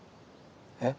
えっ？